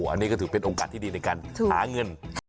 อันนี้ก็ถือเป็นโอกาสที่ดีในการหาเงิน